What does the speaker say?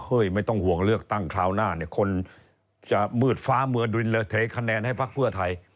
ไม่ต้องห่วงเลือกตั้งคราวหน้าเนี่ยคนจะมืดฟ้าเมืองเทคะแนนให้พักเพื่อไทย